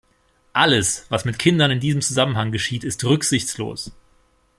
Alles, was mit Kindern in diesem Zusammenhang geschieht, ist rücksichtslos.